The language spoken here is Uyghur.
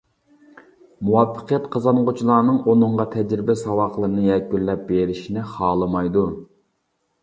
مۇۋەپپەقىيەت قازانغۇچىلارنىڭ ئۇنىڭغا تەجرىبە-ساۋاقلىرىنى يەكۈنلەپ بېرىشىنى خالىمايدۇ.